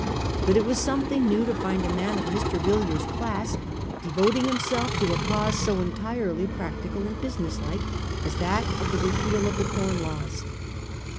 But it was something new to find a man of Mr. Villiers' class devoting himself to a cause so entirely practical and business like as that of the repeal of the Com Laws.